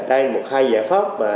đây là hai giải pháp